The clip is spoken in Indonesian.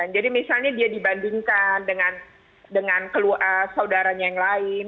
jadi misalnya dia dibandingkan dengan keluarga saudaranya yang lain